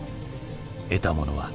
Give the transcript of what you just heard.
得たものは？